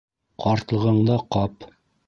Ҡартлығыңда ҡап!